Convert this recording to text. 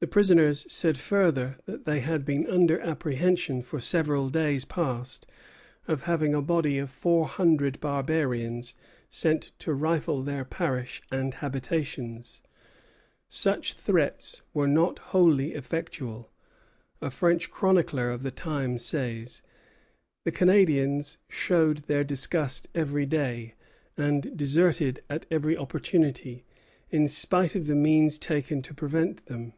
The prisoners said further that "they had been under apprehension for several days past of having a body of four hundred barbarians sent to rifle their parish and habitations." Such threats were not wholly effectual. A French chronicler of the time says: "The Canadians showed their disgust every day, and deserted at every opportunity, in spite of the means taken to prevent them."